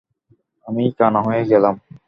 আমি কানা হয়ে গেলাম?